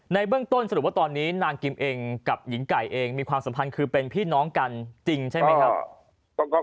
ในเบื้องต้นสรุปว่าตอนนี้นางกิมเองกับหญิงไก่เองมีความสัมพันธ์คือเป็นพี่น้องกันจริงใช่ไหมครับ